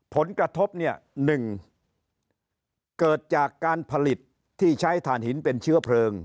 ผลกระทบเนี่ย๑เกิดจากการผลิตที่ใช้ฐานหินเป็นเชื้อเพลิง